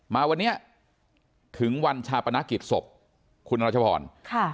มาวันนี้ถึงวันชาปนกิจศพคุณรัชพรค่ะ